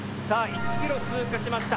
１ｋｍ通過しました。